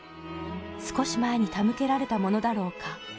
「少し前に手向けられたものだろうか？」